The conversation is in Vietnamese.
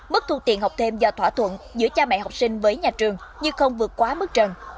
mức thu tiền học thêm do thỏa thuận giữa cha mẹ học sinh với nhà trường như không vượt quá mức trần